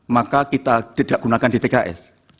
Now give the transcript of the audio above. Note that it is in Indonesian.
maka kita tidak gunakan dtks